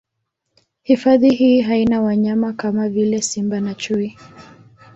Hifadhi hii haina wanyama kama vile Simba na Chui